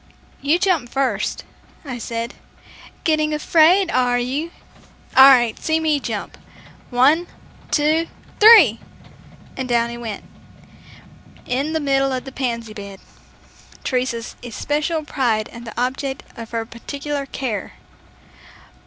"You jump first," I said. "Getting afraid, are you? All right, see me jump. One, two, three!" and down he went, in the middle of a pansy bed, Teresa's especial pride and the object of her particular care.